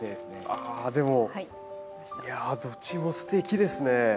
あでもいやどっちもすてきですね。